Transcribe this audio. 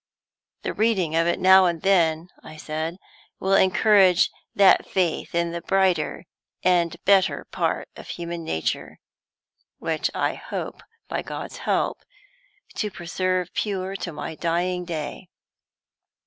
'The reading of it now and then,' I said, 'will encourage that faith in the brighter and better part of human nature which I hope, by God's help, to preserve pure to my dying day.